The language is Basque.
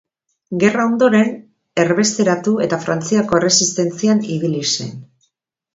Gerra ondoren, erbesteratu eta Frantziako Erresistentzian ibili zen.